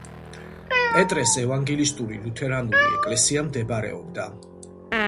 პეტრეს ევანგელისტური ლუთერანული ეკლესია მდებარეობდა.